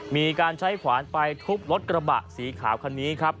มีการใช้ขวานไปทุบรถกระบะสีขาวคันนี้ครับ